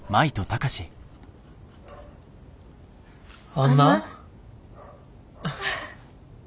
あんな。